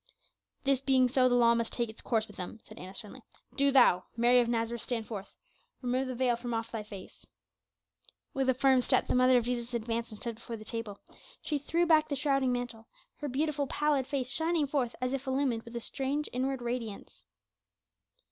"This being so, the law must take its course with them," said Annas sternly. "Do thou, Mary of Nazareth, stand forth. Remove the veil from off thy face." With a firm step the mother of Jesus advanced and stood before the table; she threw back the shrouding mantle, her beautiful, pallid face shining forth as if illumined with a strange inward radiance.